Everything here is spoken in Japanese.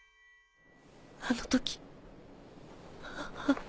あの時。